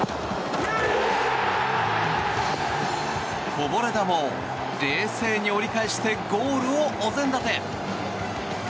こぼれ球を冷静に折り返してゴールをお膳立て。